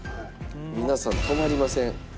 皆さん止まりません。